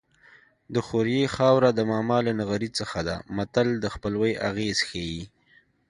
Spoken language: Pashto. د خوریي خاوره د ماما له نغري څخه ده متل د خپلوۍ اغېز ښيي